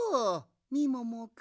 みももくん。